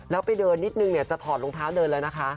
แล้วไปเดินนิดนึงเนี่ยจะถอดรองเท้าเดินแล้วนะคะ